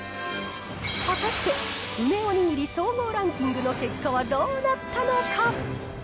果たして、梅おにぎり総合ランキングの結果はどうなったのか。